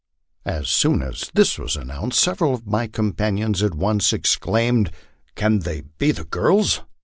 As soon as this was announced several of my companions at once ex claimed, "Can they be the girls?"